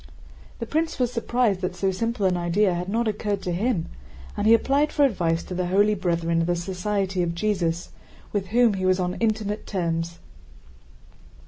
The prince was surprised that so simple an idea had not occurred to him, and he applied for advice to the holy brethren of the Society of Jesus, with whom he was on intimate terms.